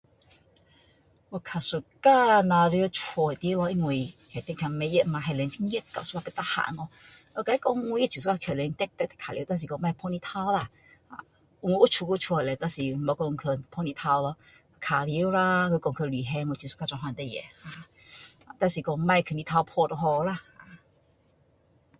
我较喜欢待在家里，因为里面较不热，外面很热，有时候不耐。我跟他说我也喜欢去外面跑玩耍，但是不要晒太阳。我有出去屋外但是没有去晒太阳啦，玩耍啦，或旅行我也很喜欢做这事情 ahh，但是不要太阳晒就好了啦 ahh